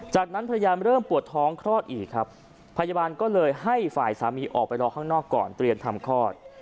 จากนั้นพยายามเริ่มปวดท้องคลอดอีกครับพยาบาลก็เลยให้ฝ่ายสามีออกไปรอข้างนอกก่อนเตรียมทำคลอด